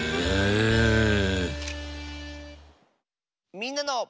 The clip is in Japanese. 「みんなの」。